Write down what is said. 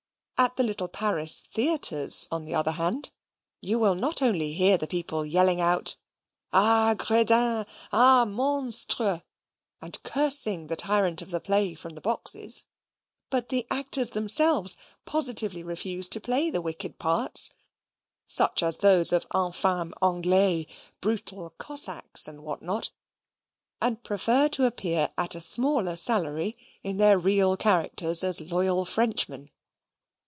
At the little Paris theatres, on the other hand, you will not only hear the people yelling out "Ah gredin! Ah monstre:" and cursing the tyrant of the play from the boxes; but the actors themselves positively refuse to play the wicked parts, such as those of infames Anglais, brutal Cossacks, and what not, and prefer to appear at a smaller salary, in their real characters as loyal Frenchmen.